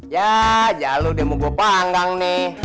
ya aja lu dia mau gua panggang nih